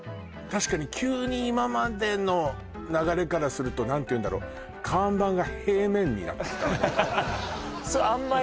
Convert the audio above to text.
確かに急に今までの流れからすると何ていうんだろう看板が平面になってきたわよ